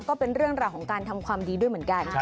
ก็เป็นเรื่องราวของการทำความดีด้วยเหมือนกัน